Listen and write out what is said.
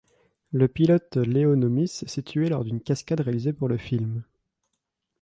Le pilote Leo Nomis s'est tué lors d'une cascade réalisée pour le film.